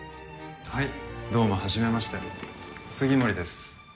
はいどうもはじめまして杉森です。